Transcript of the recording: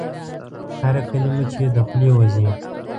هره کلمه چي یې د خولې وزي ؟